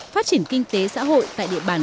phát triển kinh tế xã hội tại địa bàn